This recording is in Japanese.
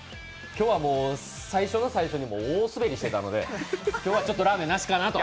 今日は最初の最初に大スベりしてたので今日は、ちょっとラーメンなしかなと。